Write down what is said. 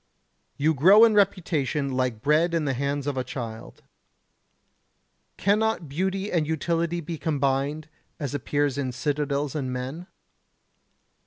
You grow in reputation like bread in the hands of a child. Cannot beauty and utility be combined as appears in citadels and men?